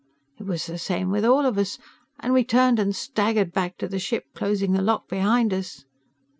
"It was the same with all of us, and we turned and staggered back to the ship, closing the lock behind us.